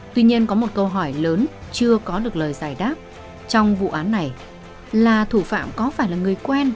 tuy nhiên có một câu hỏi lớn chưa có được lời giải đáp trong vụ án này là thủ phạm có phải là người quen